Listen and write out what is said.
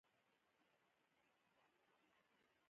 زردالو د پسرلي ګل لري.